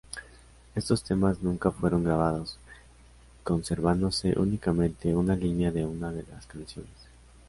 Estos temas nunca fueron grabados, conservándose únicamente una línea de una de las canciones.